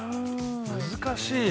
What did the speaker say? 難しいね。